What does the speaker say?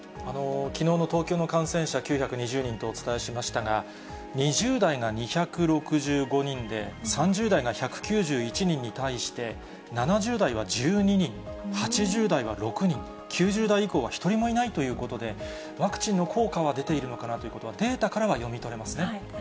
きのうの東京の感染者、９２０人とお伝えしましたが、２０代が２６５人で、３０代が１９１人に対して、７０代は１２人、８０代は６人、９０代以降は一人もいないということで、ワクチンの効果は出ているのかなということは、データからは読み取れますね。